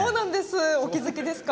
お気付きですか！